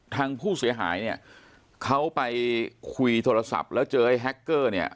ทางผู้เสียหายเนี่ยเขาไปคุยโทรศัพท์แล้วเจอไอ้แฮคเกอร์เนี่ย